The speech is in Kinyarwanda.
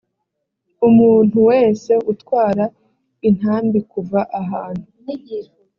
umuntu wese utwara intambi kuva ahantu